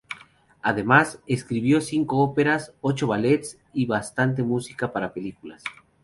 Además, escribió cinco óperas, ocho ballets y bastante música para películas.